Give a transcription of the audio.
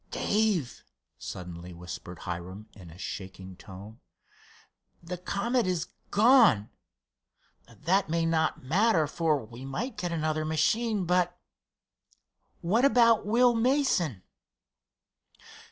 "Dave," suddenly whispered Hiram, in a shaking tone, "the Comet is gone! That may not matter, for we might get another machine, but—what about Will Mason?"